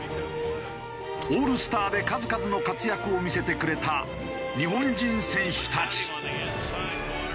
オールスターで数々の活躍を見せてくれた日本人選手たち。